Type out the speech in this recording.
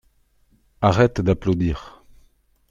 Arrête d’applaudir.